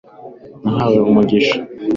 nahabwe umugisha